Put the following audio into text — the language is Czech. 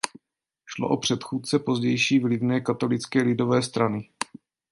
Šlo o předchůdce pozdější vlivné Katolické lidové strany.